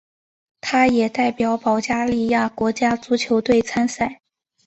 他也代表保加利亚国家足球队参赛。